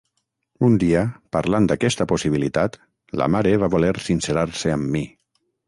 Un dia, parlant d'aquesta possibilitat, la mare va voler sincerar-se amb mi.